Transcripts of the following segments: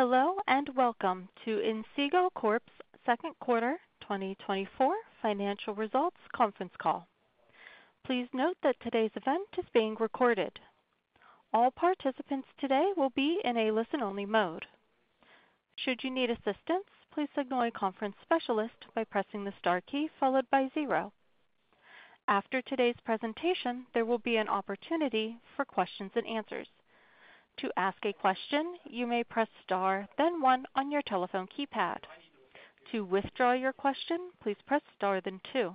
Hello, and welcome to Inseego Corp's Q2 2024 financial results conference call. Please note that today's event is being recorded. All participants today will be in a listen-only mode. Should you need assistance, please signal a conference specialist by pressing the star key followed by zero. After today's presentation, there will be an opportunity for questions and answers. To ask a question, you may press Star, then one on your telephone keypad. To withdraw your question, please press Star, then two.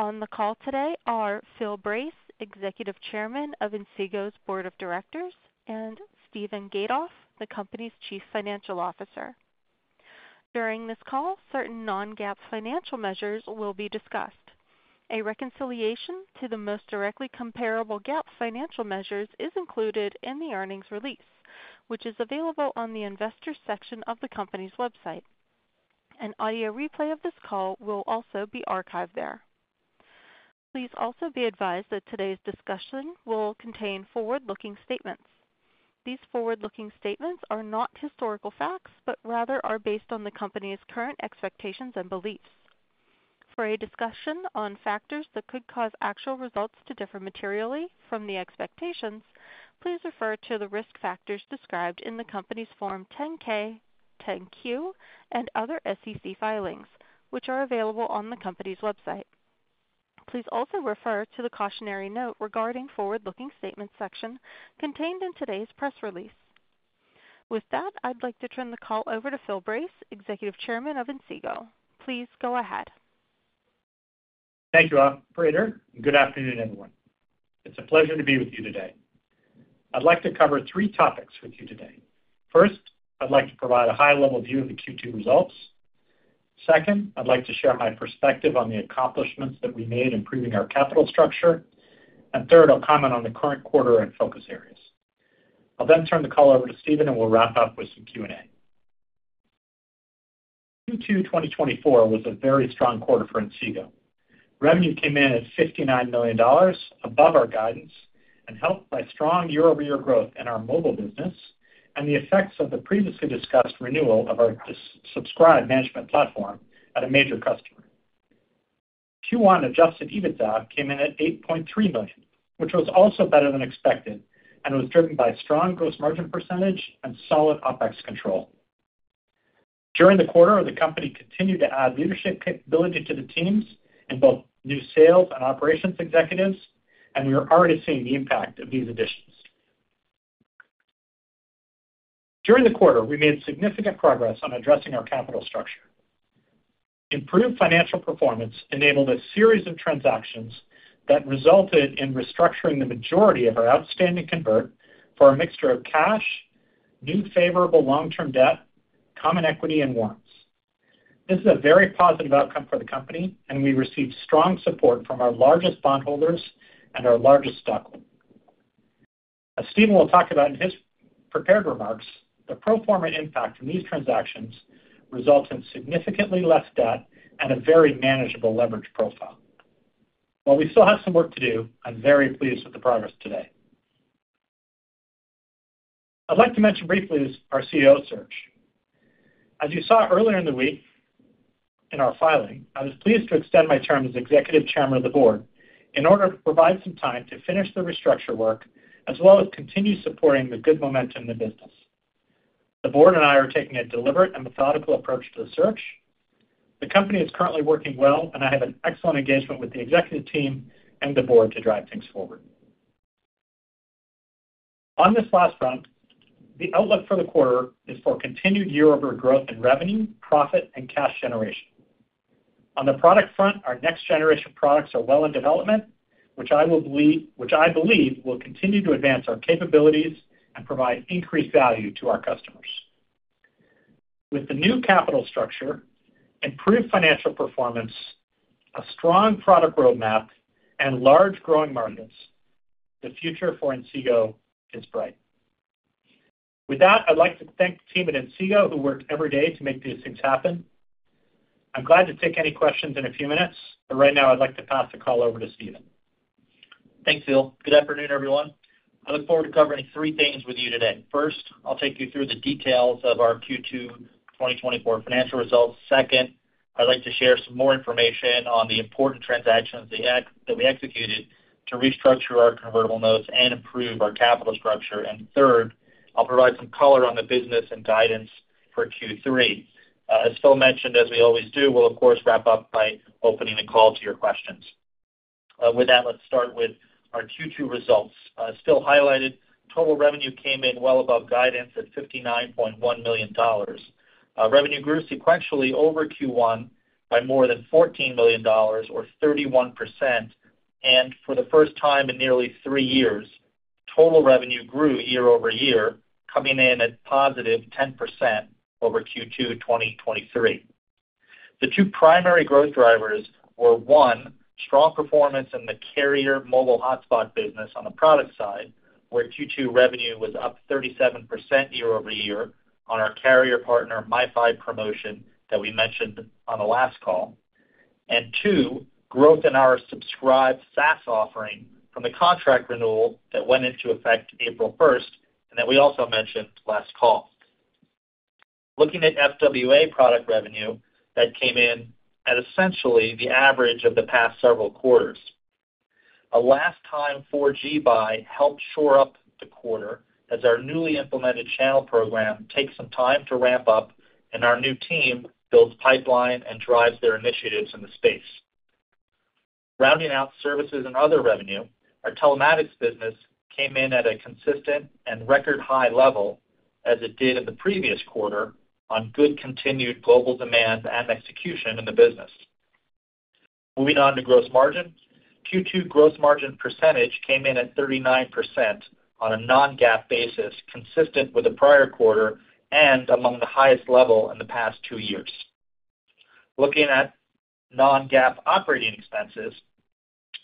On the call today are Phil Brace, Executive Chairman of Inseego's Board of Directors, and Steven Gatoff, the company's Chief Financial Officer. During this call, certain non-GAAP financial measures will be discussed. A reconciliation to the most directly comparable GAAP financial measures is included in the earnings release, which is available on the Investors section of the company's website. An audio replay of this call will also be archived there. Please also be advised that today's discussion will contain forward-looking statements. These forward-looking statements are not historical facts, but rather are based on the company's current expectations and beliefs. For a discussion on factors that could cause actual results to differ materially from the expectations, please refer to the risk factors described in the company's Form 10-K, 10-Q, and other SEC filings, which are available on the company's website. Please also refer to the cautionary note regarding forward-looking statements section contained in today's press release. With that, I'd like to turn the call over to Phil Brace, Executive Chairman of Inseego. Please go ahead. Thank you, operator, and good afternoon, everyone. It's a pleasure to be with you today. I'd like to cover three topics with you today. First, I'd like to provide a high-level view of the Q2 results. Second, I'd like to share my perspective on the accomplishments that we made improving our capital structure. And third, I'll comment on the current quarter and focus areas. I'll then turn the call over to Steven, and we'll wrap up with some Q&A. Q2 2024 was a very strong quarter for Inseego. Revenue came in at $59 million, above our guidance, and helped by strong year-over-year growth in our mobile business and the effects of the previously discussed renewal of our subscribe management platform at a major customer. Q1 Adjusted EBITDA came in at $8.3 million, which was also better than expected and was driven by strong gross margin percentage and solid OpEx control. During the quarter, the company continued to add leadership capability to the teams in both new sales and operations executives, and we are already seeing the impact of these additions. During the quarter, we made significant progress on addressing our capital structure. Improved financial performance enabled a series of transactions that resulted in restructuring the majority of our outstanding convertibles for a mixture of cash, new favorable long-term debt, common equity, and warrants. This is a very positive outcome for the company, and we received strong support from our largest bondholders and our largest stockholder. As Steven will talk about in his prepared remarks, the pro forma impact in these transactions results in significantly less debt and a very manageable leverage profile. While we still have some work to do, I'm very pleased with the progress today. I'd like to mention briefly our CEO search. As you saw earlier in the week in our filing, I was pleased to extend my term as Executive Chairman of the Board in order to provide some time to finish the restructure work, as well as continue supporting the good momentum in the business. The board and I are taking a deliberate and methodical approach to the search. The company is currently working well, and I have an excellent engagement with the executive team and the board to drive things forward. On this last front, the outlook for the quarter is for continued year-over-year growth in revenue, profit, and cash generation. On the product front, our next generation products are well in development, which I believe will continue to advance our capabilities and provide increased value to our customers. With the new capital structure, improved financial performance, a strong product roadmap, and large growing markets, the future for Inseego is bright. With that, I'd like to thank the team at Inseego, who work every day to make these things happen. I'm glad to take any questions in a few minutes, but right now I'd like to pass the call over to Steven. Thanks, Phil. Good afternoon, everyone. I look forward to covering three things with you today. First, I'll take you through the details of our Q2 2024 financial results. Second, I'd like to share some more information on the important transactions that we executed to restructure our convertible notes and improve our capital structure. And third, I'll provide some color on the business and guidance for Q3. As Phil mentioned, as we always do, we'll of course wrap up by opening the call to your questions. With that, let's start with our Q2 results. As Phil highlighted, total revenue came in well above guidance at $59.1 million. Revenue grew sequentially over Q1 by more than $14 million or 31%, and for the first time in nearly 3 years, total revenue grew year-over-year, coming in at positive 10% over Q2 2023. The two primary growth drivers were, one, strong performance in the carrier mobile hotspot business on the product side, where Q2 revenue was up 37% year-over-year on our carrier partner, MiFi promotion that we mentioned on the last call.... and two, growth in our subscribed SaaS offering from the contract renewal that went into effect April first, and that we also mentioned last call. Looking at FWA product revenue, that came in at essentially the average of the past several quarters. A last time 4G buy helped shore up the quarter as our newly implemented channel program takes some time to ramp up, and our new team builds pipeline and drives their initiatives in the space. Rounding out services and other revenue, our telematics business came in at a consistent and record-high level, as it did in the previous quarter, on good continued global demand and execution in the business. Moving on to gross margins. Q2 gross margin percentage came in at 39% on a Non-GAAP basis, consistent with the prior quarter and among the highest level in the past two years. Looking at Non-GAAP operating expenses,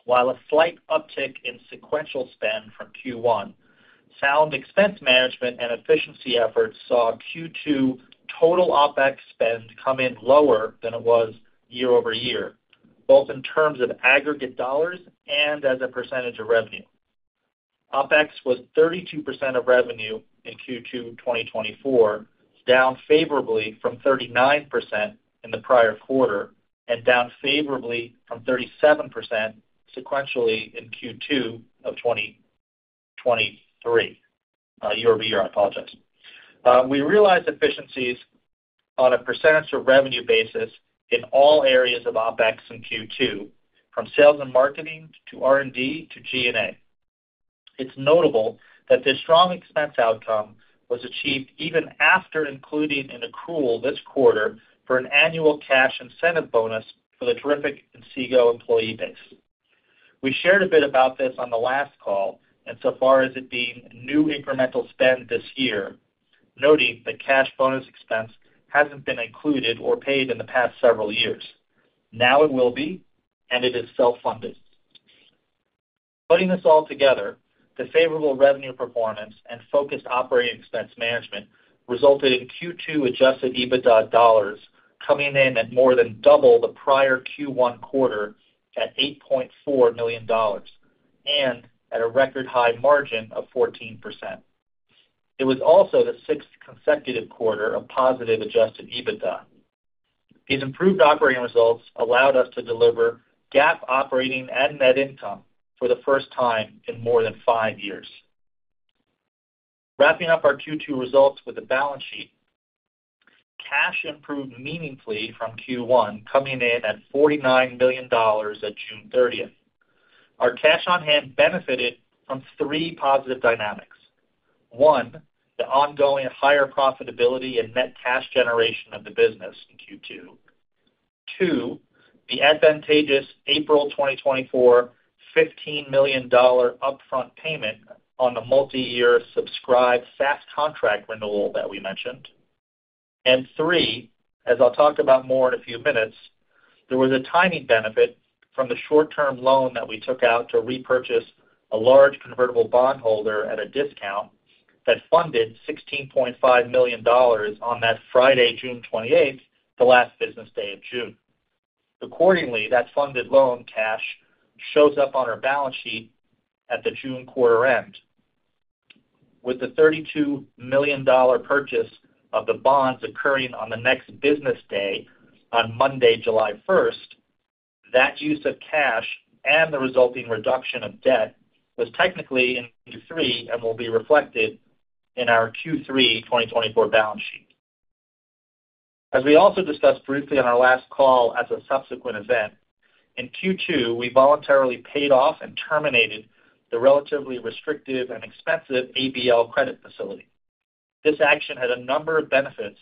while a slight uptick in sequential spend from Q1, sound expense management and efficiency efforts saw Q2 total OpEx spend come in lower than it was year over year, both in terms of aggregate dollars and as a percentage of revenue. OpEx was 32% of revenue in Q2 2024, down favorably from 39% in the prior quarter, and down favorably from 37% sequentially in Q2 of 2023, year-over-year, I apologize. We realized efficiencies on a percentage of revenue basis in all areas of OpEx in Q2, from sales and marketing to R&D to G&A. It's notable that this strong expense outcome was achieved even after including an accrual this quarter for an annual cash incentive bonus for the terrific Inseego employee base. We shared a bit about this on the last call, and so far as it being new incremental spend this year, noting that cash bonus expense hasn't been included or paid in the past several years. Now it will be, and it is self-funded. Putting this all together, the favorable revenue performance and focused operating expense management resulted in Q2 Adjusted EBITDA dollars coming in at more than double the prior Q1 quarter at $8.4 million, and at a record-high margin of 14%. It was also the sixth consecutive quarter of positive Adjusted EBITDA. These improved operating results allowed us to deliver GAAP operating and net income for the first time in more than 5 years. Wrapping up our Q2 results with the balance sheet. Cash improved meaningfully from Q1, coming in at $49 million at June 30. Our cash on hand benefited from three positive dynamics. One, the ongoing higher profitability and net cash generation of the business in Q2. Two, the advantageous April 2024 $15 million upfront payment on the multi-year subscribed SaaS contract renewal that we mentioned. And three, as I'll talk about more in a few minutes, there was a timing benefit from the short-term loan that we took out to repurchase a large convertible bondholder at a discount that funded $16.5 million on that Friday, June 28th, the last business day of June. Accordingly, that funded loan cash shows up on our balance sheet at the June quarter end. With the $32 million purchase of the bonds occurring on the next business day, on Monday, July 1, that use of cash and the resulting reduction of debt was technically in Q3 and will be reflected in our Q3 2024 balance sheet. As we also discussed briefly on our last call as a subsequent event, in Q2, we voluntarily paid off and terminated the relatively restrictive and expensive ABL credit facility. This action had a number of benefits,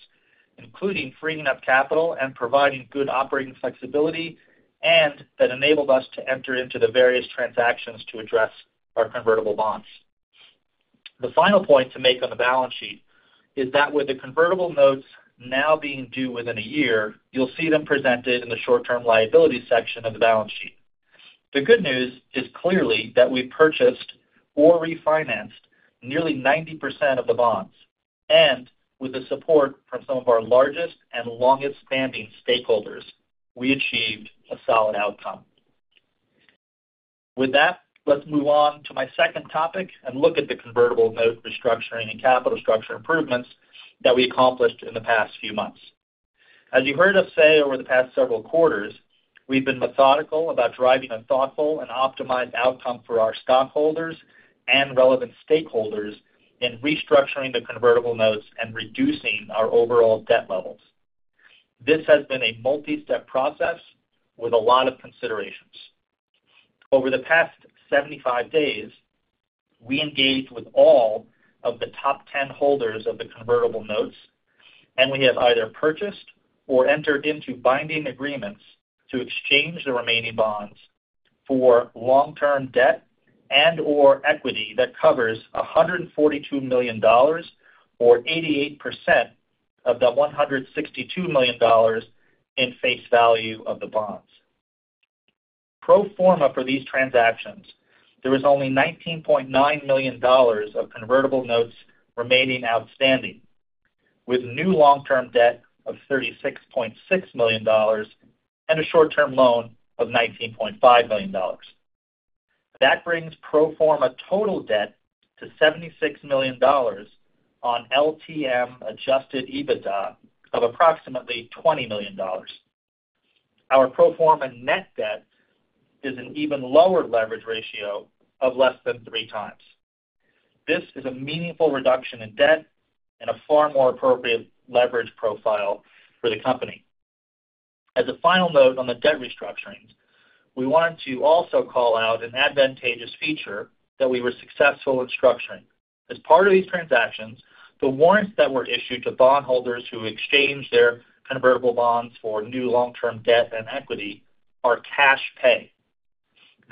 including freeing up capital and providing good operating flexibility, and that enabled us to enter into the various transactions to address our convertible bonds. The final point to make on the balance sheet is that with the convertible notes now being due within a year, you'll see them presented in the short-term liability section of the balance sheet. The good news is clearly that we purchased or refinanced nearly 90% of the bonds, and with the support from some of our largest and longest-standing stakeholders, we achieved a solid outcome. With that, let's move on to my second topic and look at the convertible note restructuring and capital structure improvements that we accomplished in the past few months. As you heard us say over the past several quarters, we've been methodical about driving a thoughtful and optimized outcome for our stockholders and relevant stakeholders in restructuring the convertible notes and reducing our overall debt levels. This has been a multi-step process with a lot of considerations. Over the past 75 days, we engaged with all of the top 10 holders of the convertible notes, and we have either purchased or entered into binding agreements to exchange the remaining bonds for long-term debt and/or equity that covers $142 million or 88% of the $162 million in face value of the bonds. Pro forma for these transactions, there was only $19.9 million of convertible notes remaining outstanding, with new long-term debt of $36.6 million and a short-term loan of $19.5 million. That brings pro forma total debt to $76 million on LTM Adjusted EBITDA of approximately $20 million. Our pro forma net debt is an even lower leverage ratio of less than three times. This is a meaningful reduction in debt and a far more appropriate leverage profile for the company. As a final note on the debt restructurings, we want to also call out an advantageous feature that we were successful in structuring. As part of these transactions, the warrants that were issued to bondholders who exchanged their convertible bonds for new long-term debt and equity are cash pay.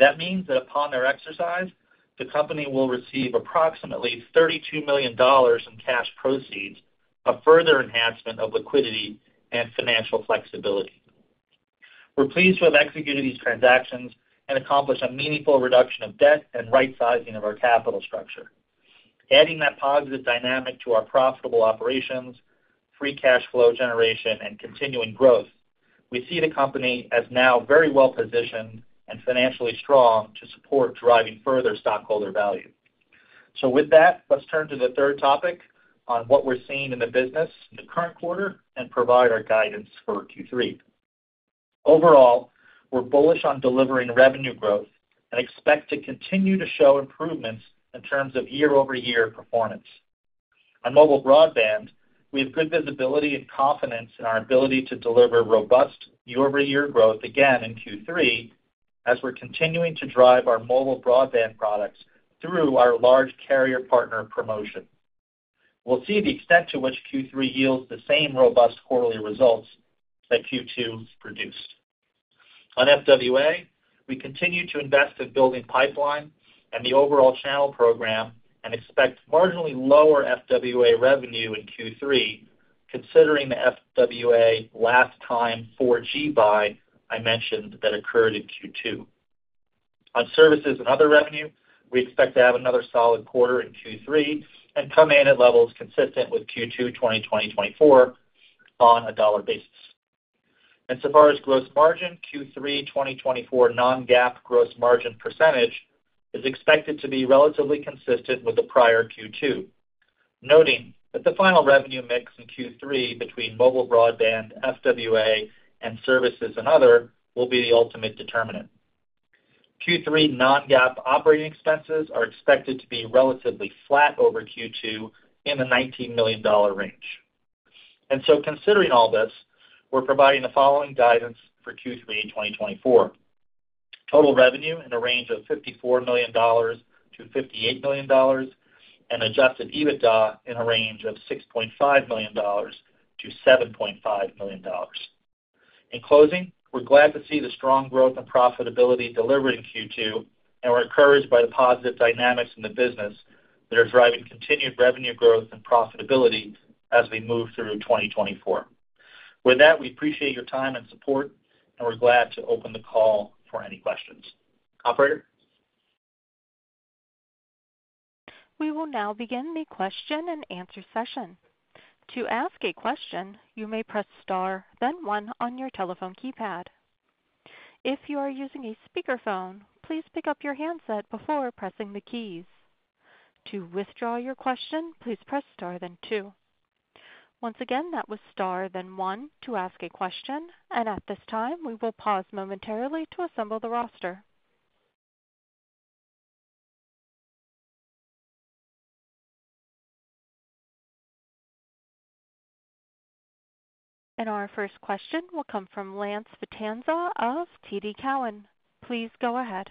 That means that upon their exercise, the company will receive approximately $32 million in cash proceeds, a further enhancement of liquidity and financial flexibility. We're pleased to have executed these transactions and accomplished a meaningful reduction of debt and right sizing of our capital structure. Adding that positive dynamic to our profitable operations, free cash flow generation, and continuing growth, we see the company as now very well positioned and financially strong to support driving further stockholder value. So with that, let's turn to the third topic on what we're seeing in the business in the current quarter and provide our guidance for Q3. Overall, we're bullish on delivering revenue growth and expect to continue to show improvements in terms of year-over-year performance. On mobile broadband, we have good visibility and confidence in our ability to deliver robust year-over-year growth again in Q3, as we're continuing to drive our mobile broadband products through our large carrier partner promotion. We'll see the extent to which Q3 yields the same robust quarterly results that Q2 produced. On FWA, we continue to invest in building pipeline and the overall channel program and expect marginally lower FWA revenue in Q3, considering the FWA last time 4G buy I mentioned that occurred in Q2. On services and other revenue, we expect to have another solid quarter in Q3 and come in at levels consistent with Q2 2024 on a dollar basis. As far as gross margin, Q3 2024 non-GAAP gross margin percentage is expected to be relatively consistent with the prior Q2, noting that the final revenue mix in Q3 between mobile broadband, FWA, and services and other will be the ultimate determinant. Q3 non-GAAP operating expenses are expected to be relatively flat over Q2 in the $19 million range. Considering all this, we're providing the following guidance for Q3 in 2024: total revenue in a range of $54 million-$58 million, and Adjusted EBITDA in a range of $6.5 million-$7.5 million. In closing, we're glad to see the strong growth and profitability delivered in Q2, and we're encouraged by the positive dynamics in the business that are driving continued revenue growth and profitability as we move through 2024. With that, we appreciate your time and support, and we're glad to open the call for any questions. Operator? We will now begin the question-and-answer session. To ask a question, you may press star, then one on your telephone keypad. If you are using a speakerphone, please pick up your handset before pressing the keys. To withdraw your question, please press star, then two. Once again, that was star, then one to ask a question. At this time, we will pause momentarily to assemble the roster. Our first question will come from Lance Vitanza of TD Cowen. Please go ahead.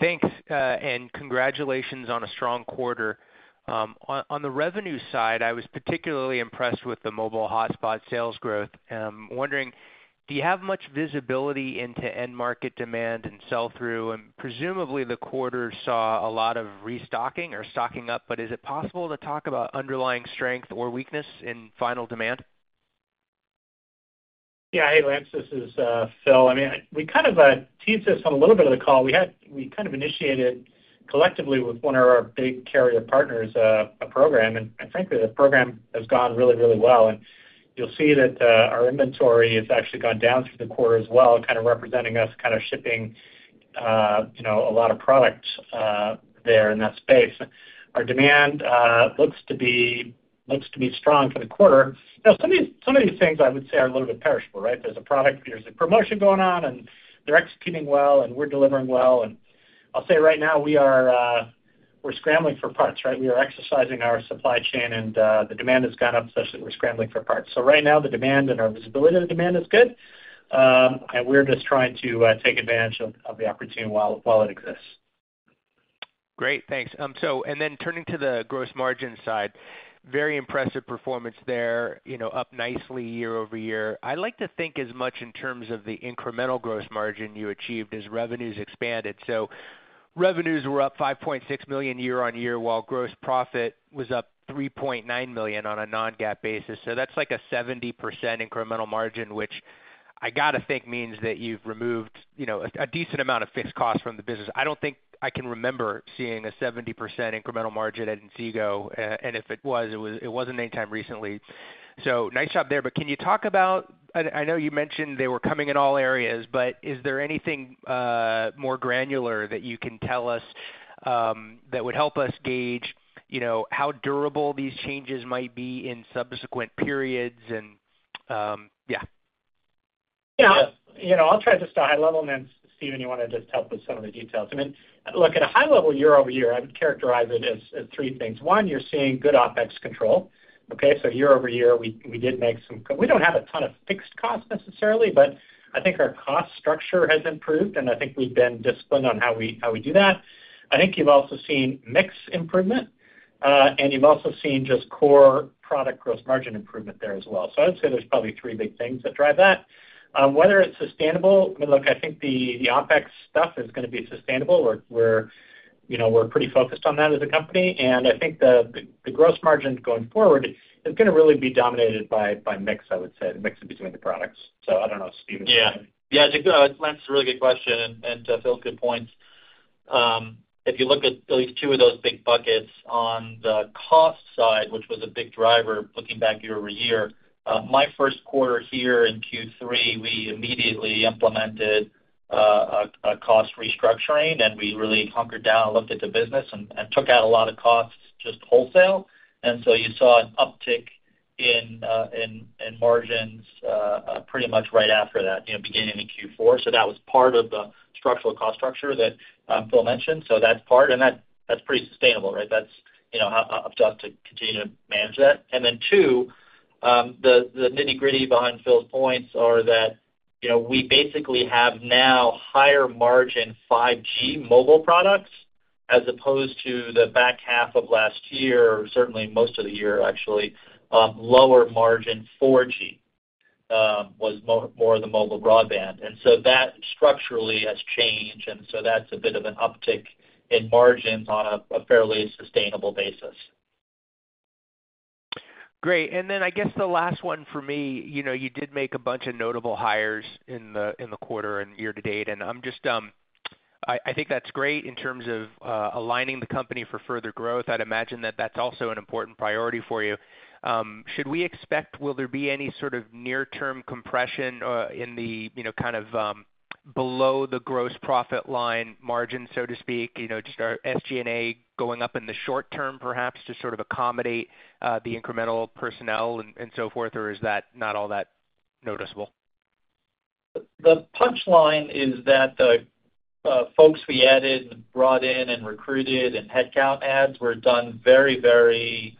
Thanks, and congratulations on a strong quarter. On the revenue side, I was particularly impressed with the mobile hotspot sales growth. I'm wondering, do you have much visibility into end-market demand and sell-through? And presumably, the quarter saw a lot of restocking or stocking up, but is it possible to talk about underlying strength or weakness in final demand? Yeah. Hey, Lance, this is Phil. I mean, we kind of teased this on a little bit of the call. We had we kind of initiated collectively with one of our big carrier partners a program, and frankly, the program has gone really, really well. And you'll see that our inventory has actually gone down through the quarter as well, kind of representing us, kind of shipping you know a lot of product there in that space. Our demand looks to be, looks to be strong for the quarter. You know, some of these, some of these things, I would say, are a little bit perishable, right? There's a product, there's a promotion going on, and they're executing well, and we're delivering well. And I'll say right now, we are we're scrambling for parts, right? We are exercising our supply chain, and the demand has gone up such that we're scrambling for parts. So right now, the demand and our visibility to the demand is good, and we're just trying to take advantage of the opportunity while it exists. Great. Thanks. So, and then turning to the gross margin side, very impressive performance there, you know, up nicely year-over-year. I like to think as much in terms of the incremental gross margin you achieved as revenues expanded. So revenues were up $5.6 million year-on-year, while gross profit was up $3.9 million on a non-GAAP basis. So that's like a 70% incremental margin, which I gotta think means that you've removed, you know, a decent amount of fixed costs from the business. I don't think I can remember seeing a 70% incremental margin at Inseego, and if it was, it wasn't anytime recently. So nice job there, but can you talk about, I know you mentioned they were coming in all areas, but is there anything more granular that you can tell us that would help us gauge, you know, how durable these changes might be in subsequent periods and yeah? Yeah. You know, I'll try just a high level, and then Steven, you wanna just help with some of the details. I mean, look, at a high level, year-over-year, I would characterize it as three things. One, you're seeing good OpEx control, okay? So year-over-year, we did make some. We don't have a ton of fixed costs necessarily, but I think our cost structure has improved, and I think we've been disciplined on how we do that. I think you've also seen mix improvement, and you've also seen just core product gross margin improvement there as well. So I would say there's probably three big things that drive that. Whether it's sustainable, I mean, look, I think the OpEx stuff is gonna be sustainable, where we're, you know, we're pretty focused on that as a company, and I think the Gross Margin going forward is gonna really be dominated by mix, I would say, the mix in between the products. So I don't know if Steven- Yeah. Yeah, Lance, it's a really good question, and, and, Phil, good points. If you look at least two of those big buckets on the cost side, which was a big driver, looking back year-over-year, my Q1 here in Q3, we immediately implemented a cost restructuring, and we really hunkered down and looked at the business and took out a lot of costs, just wholesale. And so you saw an uptick in margins pretty much right after that, you know, beginning in Q4. So that was part of the structural cost structure that Phil mentioned. So that's part, and that, that's pretty sustainable, right? That's, you know, up to us to continue to manage that. Then two, the nitty-gritty behind Phil's points are that, you know, we basically have now higher margin 5G mobile products, as opposed to the back half of last year, certainly most of the year actually, lower margin 4G was more the mobile broadband. And so that structurally has changed, and so that's a bit of an uptick in margins on a fairly sustainable basis. Great. And then I guess the last one for me, you know, you did make a bunch of notable hires in the quarter and year to date, and I'm just, I think that's great in terms of aligning the company for further growth. I'd imagine that that's also an important priority for you. Should we expect, will there be any sort of near-term compression in the, you know, kind of below the gross profit line margin, so to speak, you know, just our SG&A going up in the short term, perhaps to sort of accommodate the incremental personnel and so forth? Or is that not all that noticeable? The punchline is that the folks we added, and brought in, and recruited, and headcount adds were done very, very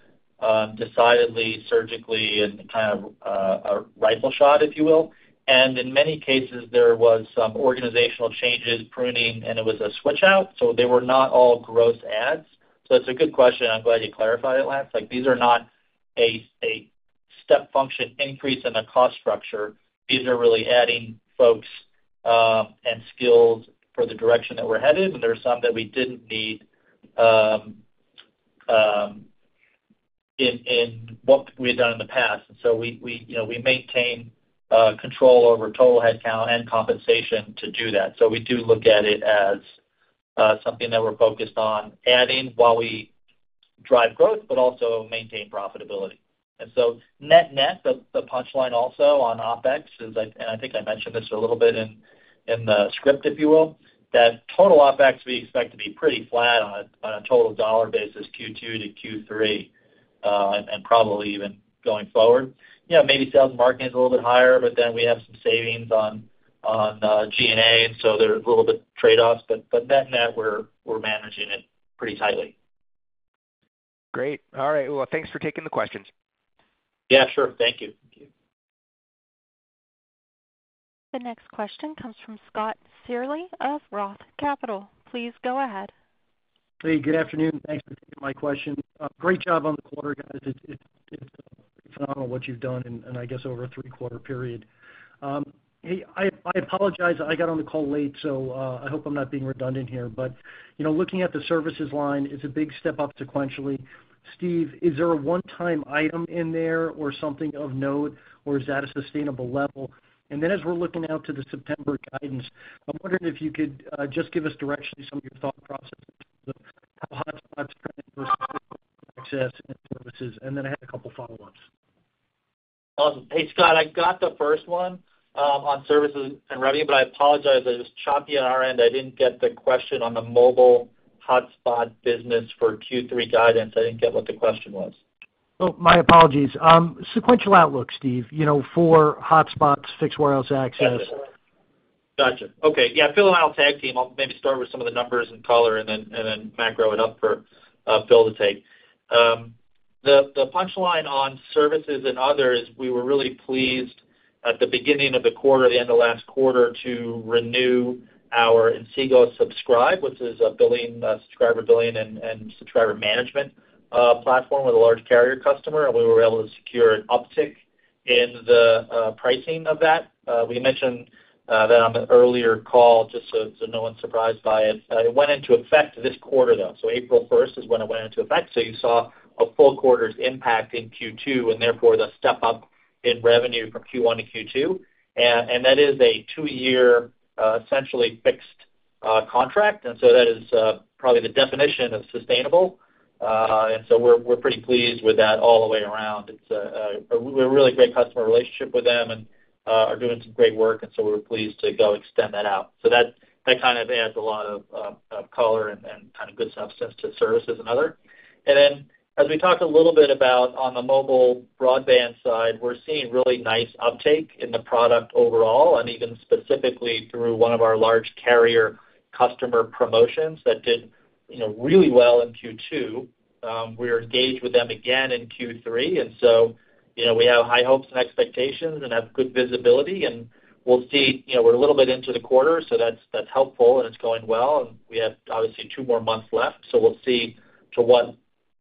decidedly, surgically, and kind of a rifle shot, if you will. And in many cases, there was some organizational changes, pruning, and it was a switch out, so they were not all gross adds. So it's a good question. I'm glad you clarified it, Lance. Like, these are not a step function increase in the cost structure. These are really adding folks and skills for the direction that we're headed, and there are some that we didn't need in what we had done in the past. And so we, you know, we maintain control over total headcount and compensation to do that. So we do look at it as, something that we're focused on adding while we drive growth, but also maintain profitability. And so net-net, the, the punchline also on OpEx is, I... And I think I mentioned this a little bit in, in the script, if you will, that total OpEx, we expect to be pretty flat on a, on a total dollar basis, Q2 to Q3, and, and probably even going forward. Yeah, maybe sales and marketing is a little bit higher, but then we have some savings on, on, G&A, and so there are a little bit trade-offs, but, but net-net, we're, we're managing it pretty tightly. Great. All right. Well, thanks for taking the questions. Yeah, sure. Thank you. The next question comes from Scott Searle of Roth Capital. Please go ahead. Hey, good afternoon. Thanks for taking my question. Great job on the quarter, guys. It's phenomenal what you've done and I guess over a three-quarter period. Hey, I apologize, I got on the call late, so I hope I'm not being redundant here. But, you know, looking at the services line, it's a big step up sequentially. Steve, is there a one-time item in there or something of note, or is that a sustainable level? And then as we're looking out to the September guidance, I'm wondering if you could just give us directionally some of your thought processes of how hotspots access and services, and then I had a couple follow-ups. Awesome. Hey, Scott, I got the first one, on services and revenue, but I apologize, it was choppy on our end. I didn't get the question on the mobile hotspot business for Q3 guidance. I didn't get what the question was. Oh, my apologies. Sequential outlook, Steve, you know, for hotspots, fixed wireless access. Gotcha. Okay. Yeah, Phil and I will tag team. I'll maybe start with some of the numbers and color and then macro it up for Phil to take. The punchline on services and others, we were really pleased at the beginning of the quarter, the end of last quarter, to renew our Inseego Subscribe, which is a billing subscriber billing and subscriber management platform with a large carrier customer, and we were able to secure an uptick in the pricing of that. We mentioned that on an earlier call, just so no one's surprised by it. It went into effect this quarter, though. So April 1st is when it went into effect. So you saw a full quarter's impact in Q2, and therefore, the step up in revenue from Q1 to Q2. That is a 2-year, essentially fixed, contract, and so that is probably the definition of sustainable. And so we're pretty pleased with that all the way around. It's a really great customer relationship with them and are doing some great work, and so we're pleased to go extend that out. So that kind of adds a lot of color and kind of good substance to services and other. And then as we talked a little bit about on the mobile broadband side, we're seeing really nice uptake in the product overall, and even specifically through one of our large carrier customer promotions that did, you know, really well in Q2. We're engaged with them again in Q3, and so, you know, we have high hopes and expectations and have good visibility, and we'll see. You know, we're a little bit into the quarter, so that's helpful, and it's going well. We have, obviously, two more months left, so we'll see to what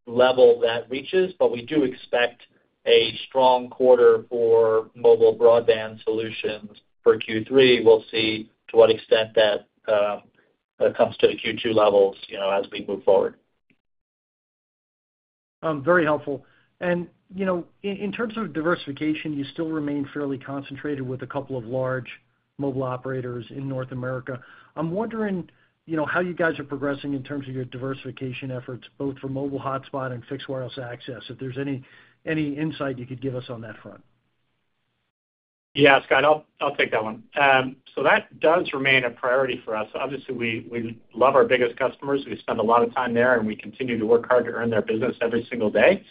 level that reaches. We do expect a strong quarter for mobile broadband solutions for Q3. We'll see to what extent that comes to the Q2 levels, you know, as we move forward. Very helpful. You know, in terms of diversification, you still remain fairly concentrated with a couple of large mobile operators in North America. I'm wondering, you know, how you guys are progressing in terms of your diversification efforts, both for mobile hotspot and fixed wireless access, if there's any insight you could give us on that front? Yeah, Scott, I'll, I'll take that one. So that does remain a priority for us. Obviously, we, we love our biggest customers. We spend a lot of time there, and we continue to work hard to earn their business every single day.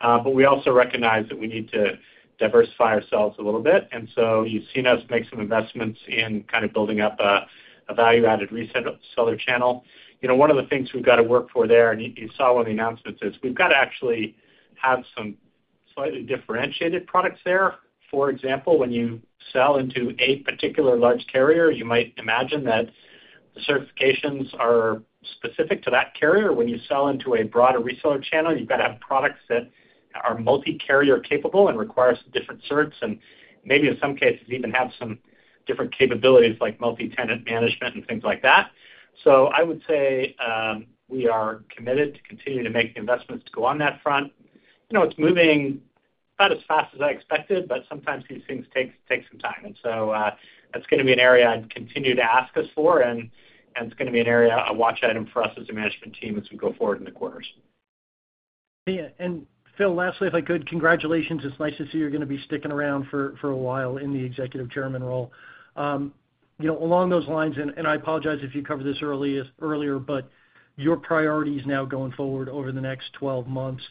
But we also recognize that we need to diversify ourselves a little bit. And so you've seen us make some investments in kind of building up a, a value-added reseller channel. You know, one of the things we've gotta work for there, and you, you saw in the announcements, is we've gotta actually have some slightly differentiated products there. For example, when you sell into a particular large carrier, you might imagine that the certifications are specific to that carrier. When you sell into a broader reseller channel, you've gotta have products that are multi-carrier capable and requires different certs, and maybe in some cases, even have some different capabilities, like multi-tenant management and things like that. So I would say, we are committed to continuing to make the investments to go on that front. You know, it's moving about as fast as I expected, but sometimes these things take some time. And so, that's gonna be an area I'd continue to ask us for, and it's gonna be an area, a watch item for us as a management team as we go forward in the quarters. Yeah, and Phil, lastly, if I could, congratulations. It's nice to see you're gonna be sticking around for a while in the executive chairman role. You know, along those lines, and I apologize if you covered this earlier, but your priorities now going forward over the next 12 months,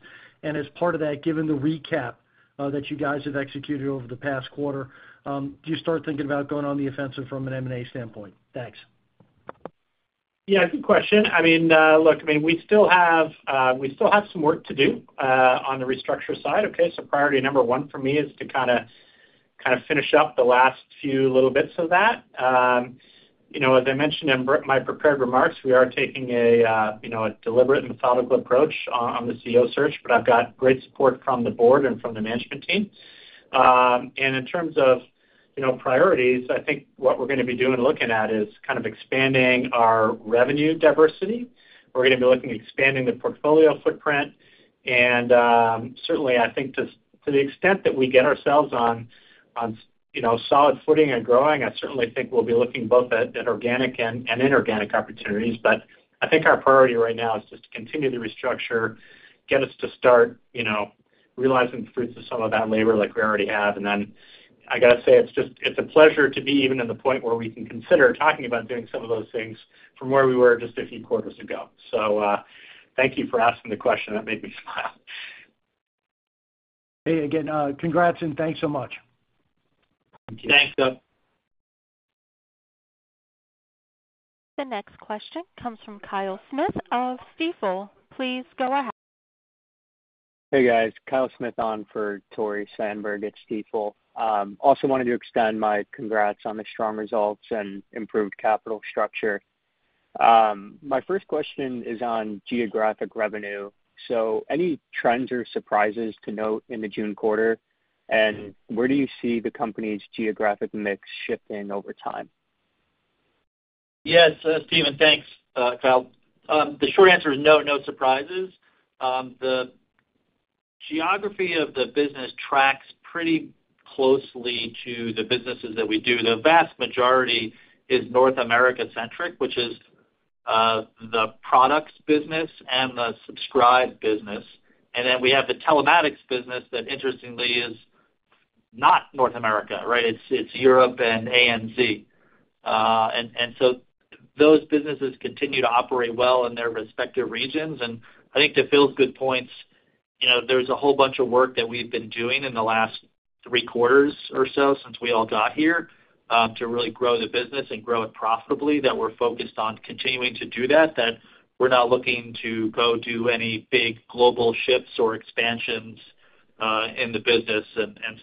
and as part of that, given the recap that you guys have executed over the past quarter, do you start thinking about going on the offensive from an M&A standpoint? Thanks. Yeah, good question. I mean, look, I mean, we still have some work to do on the restructure side, okay? So priority number one for me is to kind of finish up the last few little bits of that. You know, as I mentioned in my prepared remarks, we are taking a, you know, a deliberate and methodical approach on the CEO search, but I've got great support from the board and from the management team. And in terms of, you know, priorities, I think what we're gonna be doing and looking at is kind of expanding our revenue diversity. We're gonna be looking at expanding the portfolio footprint, and, certainly, I think to the extent that we get ourselves on, you know, solid footing and growing, I certainly think we'll be looking both at organic and inorganic opportunities. But I think our priority right now is just to continue to restructure, get us to start, you know, realizing the fruits of some of that labor like we already have. And then I gotta say, it's just, it's a pleasure to be even at the point where we can consider talking about doing some of those things from where we were just a few quarters ago. So, thank you for asking the question. That made me smile. Hey, again, congrats, and thanks so much. Thank you. Thanks, Scott. The next question comes from Kyle Smith of Stifel. Please go ahead. Hey, guys. Kyle Smith on for Tore Svanberg at Stifel. Also wanted to extend my congrats on the strong results and improved capital structure. My first question is on geographic revenue. So any trends or surprises to note in the June quarter? And where do you see the company's geographic mix shifting over time? Yes, Steven. Thanks, Kyle. The short answer is no, no surprises. The geography of the business tracks pretty closely to the businesses that we do. The vast majority is North America-centric, which is the products business and the Subscribe business. And then we have the telematics business that interestingly is not North America, right? It's Europe and ANZ. And so those businesses continue to operate well in their respective regions. And I think to Phil's good points, you know, there's a whole bunch of work that we've been doing in the last three quarters or so since we all got here, to really grow the business and grow it profitably, that we're focused on continuing to do that, that we're not looking to go do any big global shifts or expansions in the business.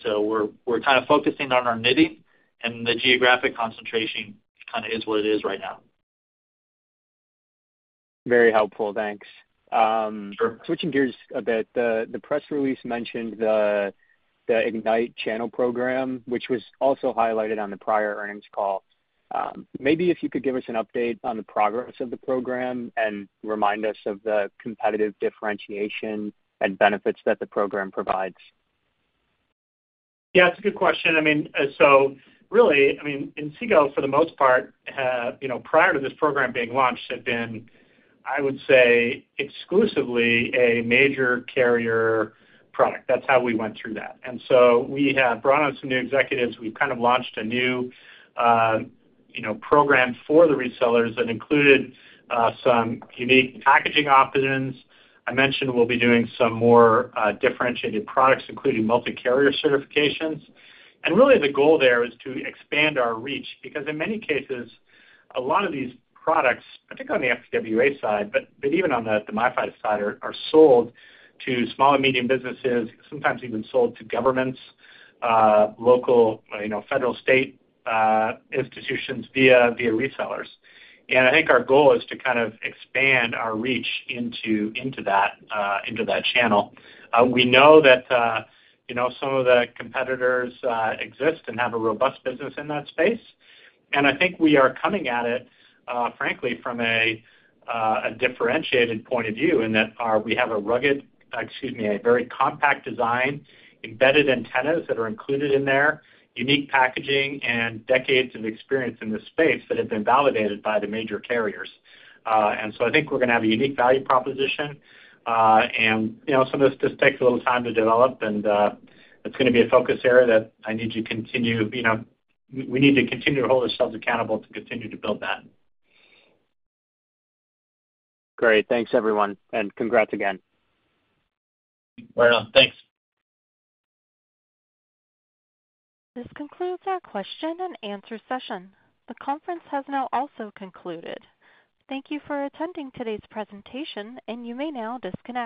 So we're kind of focusing on our knitting, and the geographic concentration kinda is what it is right now.... Very helpful. Thanks. Switching gears a bit, the press release mentioned the Ignite Channel Program, which was also highlighted on the prior earnings call. Maybe if you could give us an update on the progress of the program and remind us of the competitive differentiation and benefits that the program provides. Yeah, that's a good question. I mean, so really, I mean, Inseego, for the most part, you know, prior to this program being launched, had been, I would say, exclusively a major carrier product. That's how we went through that. We have brought on some new executives. We've kind of launched a new, you know, program for the resellers that included some unique packaging options. I mentioned we'll be doing some more differentiated products, including multi-carrier certifications. Really, the goal there is to expand our reach, because in many cases, a lot of these products, particularly on the FW side, but even on the MiFi side, are sold to small and medium businesses, sometimes even sold to governments, local, you know, federal, state, institutions via resellers. I think our goal is to kind of expand our reach into that channel. We know that, you know, some of the competitors exist and have a robust business in that space, and I think we are coming at it, frankly, from a differentiated point of view in that we have a rugged, excuse me, a very compact design, embedded antennas that are included in there, unique packaging, and decades of experience in this space that have been validated by the major carriers. And so I think we're gonna have a unique value proposition. And, you know, some of this just takes a little time to develop, and it's gonna be a focus area that I need to continue, you know, we need to continue to hold ourselves accountable to continue to build that. Great. Thanks, everyone, and congrats again. Right on. Thanks. This concludes our question and answer session. The conference has now also concluded. Thank you for attending today's presentation, and you may now disconnect.